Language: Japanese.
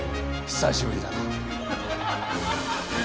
久しぶりだ。